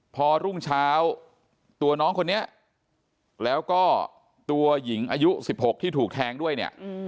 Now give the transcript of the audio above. พอรุ่งเช้าตัวน้องคนนี้แล้วก็ตัวหญิงอายุ๑๖ที่ถูกแทงด้วยเนี่ย